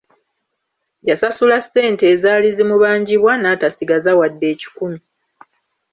Yasasula ssente ezaali zimubanjibwa n'atasigaza wadde ekikumi!